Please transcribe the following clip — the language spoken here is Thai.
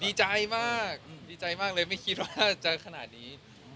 ดีใจมากดีใจมากเลยไม่คิดว่าจะขนาดนี้